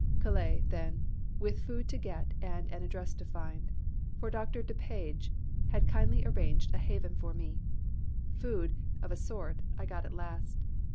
Calais then, with food to get and an address to find. For Doctor Depage had kindly arranged a haven for me. Food, of a sort, I got at last.